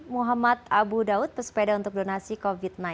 muhammad abu daud pesepeda untuk donasi covid sembilan belas